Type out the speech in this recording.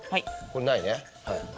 これないね。